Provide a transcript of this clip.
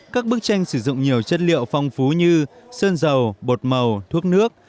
các bức tranh sử dụng nhiều chất liệu phong phú như sơn dầu bột màu thuốc nước